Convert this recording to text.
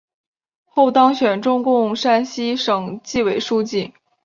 后当选中共山西省纪委书记。